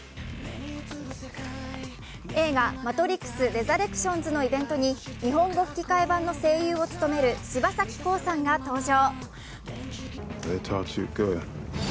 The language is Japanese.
映画「マトリックスレザクションズ」のイベントに日本語吹き替え版の声優を務める柴咲コウさんが登場。